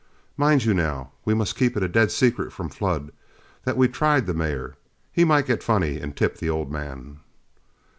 Mind you, now, we must keep it a dead secret from Flood that we've tried the mare; he might get funny and tip the old man."